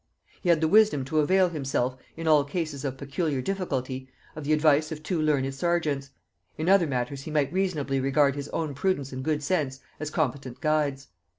He had the wisdom to avail himself, in all cases of peculiar difficulty, of the advice of two learned serjeants; in other matters he might reasonably regard his own prudence and good sense as competent guides.